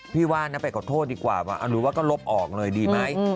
ว่านะไปขอโทษดีกว่าหรือว่าก็ลบออกเลยดีไหม